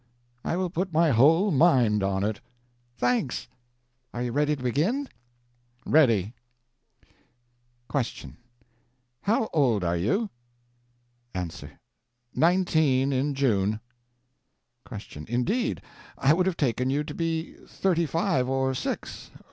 I will put my whole mind on it." "Thanks. Are you ready to begin?" "Ready." Q. How old are you? A. Nineteen, in June. Q. Indeed. I would have taken you to be thirty five or six.